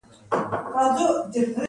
هغه ساده سړي یې په خبرو باور نه وای کړی.